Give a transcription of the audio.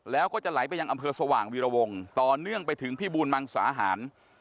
แล้วก็จะไหลไปยังอำเภอสว่างวีรวงต่อเนื่องไปถึงพี่บูรมังสาหาร